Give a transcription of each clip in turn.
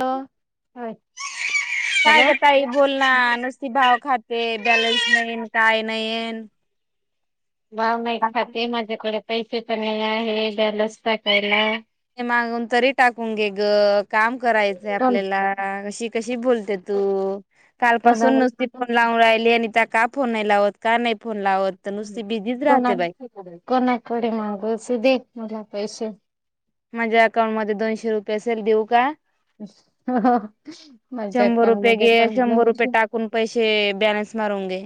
Hello काय hello ग ताई बोल ना नुसती भाव खाते बॅलन्स नाहीन काय नाहीन भाव नाही खाते माझ्याकडे पैसे पण नाही आहे बॅलन्स टाकायला ते मागून तरी टाकून घे ग काम कराय चय दोन आपल्याला कशी, कशी बोलते तू कालपासून नुसती फोन लावून राहिली अनिता का फोन नाही लावत, का नाही फोन लावत तर नुसती बिजिच राहते बाई कोणा कोणाकडे मागूस दे मला पैसे माझ्या अकाउंट मध्ये दोनशे रुपये असेल देऊ का? माझ्या शंभर अकाउंट रुपये मध्ये घे पण शंभर रुपये दोनशेच टाकून पैसे बॅलेन्स मारून गे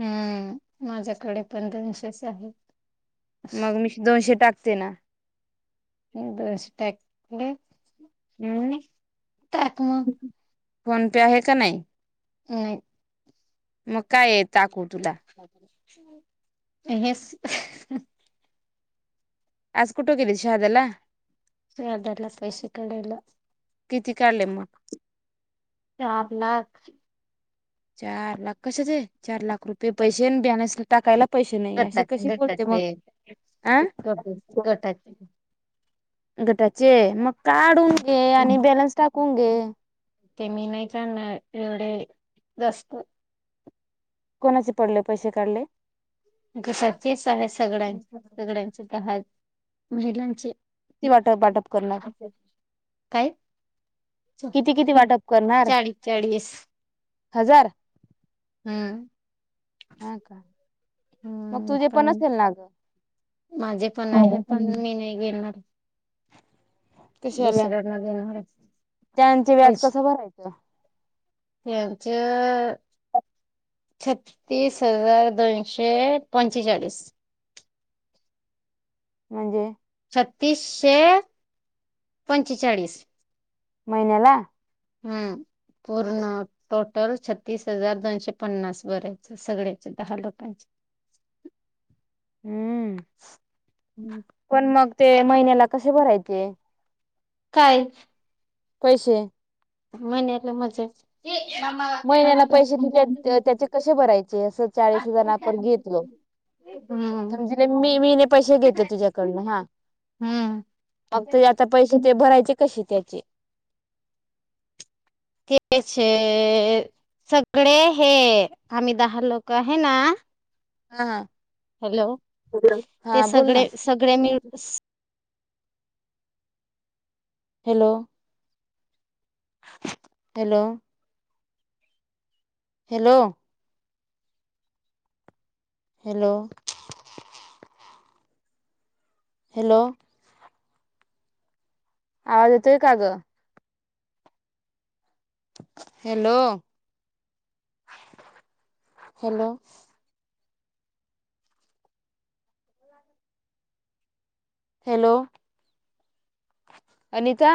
हम्म माझ्याकडे पण दोनशेच आहेत मग मी दोनशे टाकते ना दोनशे टाक हम टाक मग फोन पे आहे का नाही नाही मग काय आहे टाकू तुला हेस आज कुठं गेली शहादेला [unintelligible] पैसे काडायला किती काढले मग? चार लाख चार लाख कशाचे? चार लाख रुपये अन पैसे बॅलन्स टाकायला पैसे नाही असे कसे बोलते मग गटाचे अ गटाचे गटाचे गटाचे मग काढून घे आणि बॅलन्स टाकून घे ते मी नाही काडनार एवढे जास्त कोणाचे पडले पैसे काढले? [unintelligible] आहे सगळ्यां सगळ्यांचे दहा महिलांचे ती वाटप बाटप करणार. काय किती किती वाटप करणार चाळीस चाळीस हजार. हम्म. हा का मग तुझे पण असेल ना गं. माझे पण आहे पण मी नाही घेणार. कशे आल्या दुसऱ्यांना देणार त्यांचे व्याज कसं भरायचं? यांचं छत्तीस हजार दोनशे पंचेचाळीस. म्हणजे छत्तीसशे पंचेचाळीस महिन्याला हम्म पूर्ण टोटल छत्तीस हजार दोनशे पन्नास भरायचे सगळ्याचे दहा लोकांचे. हम्म पण मग ते महिन्याला कसे भरायचे? कायच पैशे महिन्यातले मजे महिन्याला पैशे [unintelligible] त्याचे कशे भरायचे असं चाळीस हजार आपण घेतलो. हम्म समजले मी मीने पैसे घेतले तुझ्याकडूनं हा हम्म. मग ते आता त्याज्या पैसे ते भरायचे कशे त्याचे? तेच आहे सगळे हे आम्ही दहा लोकं आहे ना हा हा हॅलो हा बोल ना. गडे मिल्स hello hello hello hello hello आवाज येतोय का गं? Hello hello. हॅलो अनिता